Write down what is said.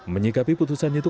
menyikapi putusan itu